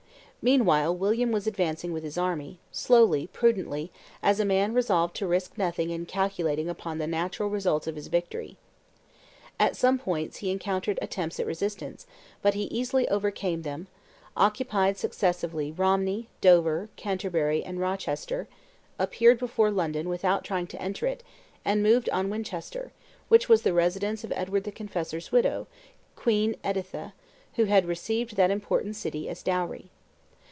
Meanwhile William was advancing with his army, slowly, prudently, as a man resolved to risk nothing and calculating upon the natural results of his victory. At some points he encountered attempts at resistance, but he easily overcame them, occupied successively Romney, Dover, Canterbury, and Rochester, appeared before London without trying to enter it, and moved on Winchester, which was the residence of Edward the Confessor's widow, Queen Editha, who had received that important city as dowry.